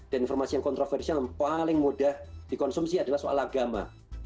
dan informasi yang kontroversial paling mudah dikonsumsi adalah soal agama